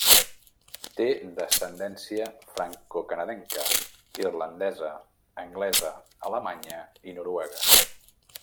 Té descendència francocanadenca, irlandesa, anglesa, alemanya i noruega.